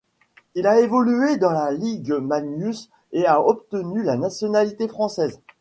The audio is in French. Il a évolué dans la Ligue Magnus et a obtenu la nationalité française.